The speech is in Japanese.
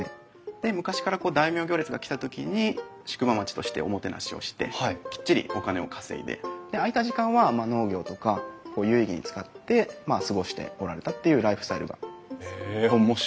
で昔から大名行列が来た時に宿場町としておもてなしをしてきっちりお金を稼いで空いた時間は農業とか有意義に使ってまあ過ごしておられたっていうライフスタイルが。へえ面白いですね。